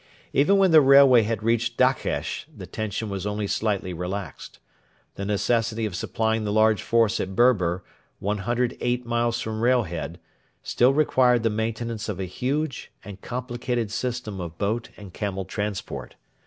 Even when the railway had reached Dakhesh the tension was only slightly relaxed. The necessity of supplying the large force at Berber, 108 miles from Railhead, still required the maintenance of a huge and complicated system of boat and camel transport.